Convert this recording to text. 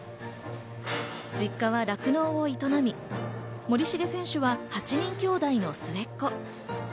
実家は酪農を営み、森重選手は８人きょうだいの末っ子。